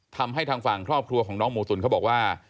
ทำให้ทางฝั่งครอบครัวของน้องหมู่สุนเขาบอกว่า